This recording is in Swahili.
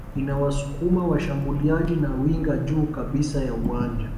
inawasukuma washambuliaji na winga juu kabisa ya uwanja